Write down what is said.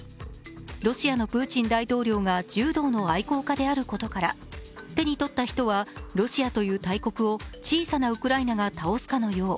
ロシアのプーチン大統領が柔道の愛好家であることから手に取った人は、ロシアという大国を小さなウクライナが倒すかのよう。